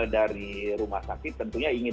dari rumah sakit tentunya ingin